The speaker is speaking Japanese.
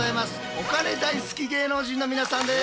お金大好き芸能人の皆さんです。